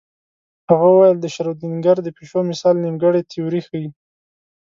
هغه ویل د شرودینګر د پیشو مثال نیمګړې تیوري ښيي.